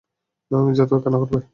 মির্জা তো কান্না করবে।